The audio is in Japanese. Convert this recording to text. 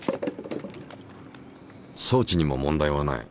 装置にも問題はない。